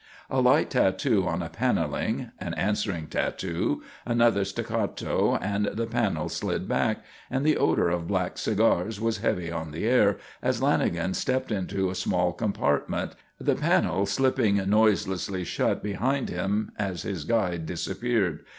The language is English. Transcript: A light tattoo on a panelling, an answering tattoo, another staccato and the panel slid back and the odour of black cigars was heavy on the air as Lanagan stepped into a small compartment, the panel slipping noiselessly shut behind him as his guide disappeared.